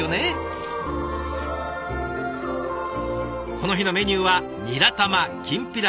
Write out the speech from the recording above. この日のメニューはにら玉きんぴら